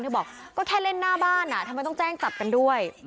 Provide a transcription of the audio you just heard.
บอกก็แค่เล่นหน้าบ้านทำไมต้องแจ้งจับกันด้วย